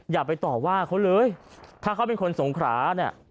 อย่าไปต่อว่าเขาเลยถ้าเขาเป็นคนสงขราเนี่ย